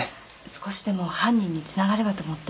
少しでも犯人につながればと思って。